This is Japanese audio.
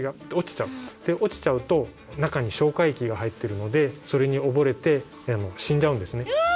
で落ちちゃうと中に消化液が入ってるのでそれに溺れて死んじゃうんですね。